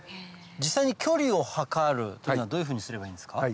実際に距離を測るというのはどういうふうにすればいいんですか？